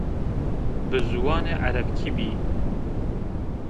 Bi ziwanê erebkî bî